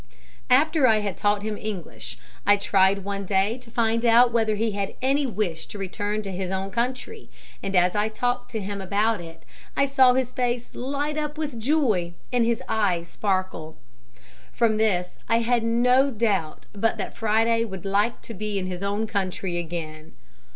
"After I had taught him English I tried one day to find out whether he had any wish to return to his own country and as I talked to him about it I saw his face light up with joy and his eye sparkle. From this I had no doubt but that Friday would like to be in his own country again.